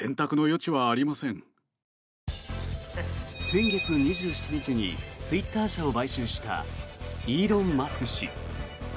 先月２７日にツイッター社を買収したイーロン・マスク氏。